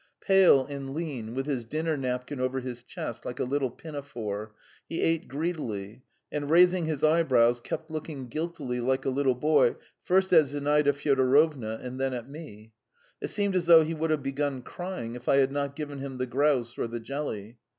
Pale and lean, with his dinner napkin over his chest like a little pinafore, he ate greedily, and raising his eyebrows, kept looking guiltily, like a little boy, first at Zinaida Fyodorovna and then at me. It seemed as though he would have begun crying if I had not given him the grouse or the jelly.